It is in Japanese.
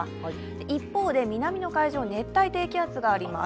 一方で南の海上、熱帯低気圧があります。